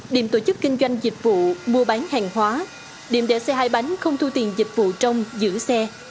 điểm tổ chức kinh doanh dịch vụ mua bán hàng hóa điểm để xe hai bánh không thu tiền dịch vụ trong giữ xe